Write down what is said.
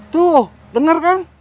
tuh denger kan